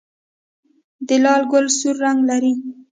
د لاله ګل سور رنګ لري